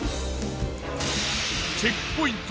チェックポイント